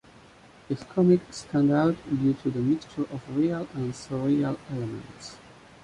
His comics stand out due to the mixture of real and surreal elements.